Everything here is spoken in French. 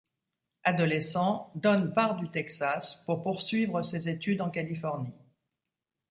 Adolescent, Don part du Texas pour poursuivre ses études en Californie.